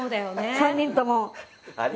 ３人とも。